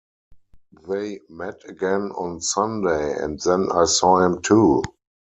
They met again on Sunday, and then I saw him too.